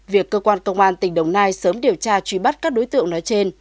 việc cơ quan công an tỉnh đồng nai sớm điều tra truy bắt các đối tượng nói trên